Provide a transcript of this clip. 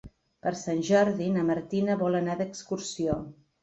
Per Sant Jordi na Martina vol anar d'excursió.